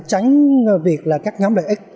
tránh việc là các nhóm lợi ích